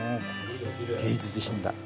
芸術品だ。